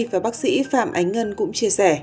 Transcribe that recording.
và bác sĩ phạm ánh ngân cũng chia sẻ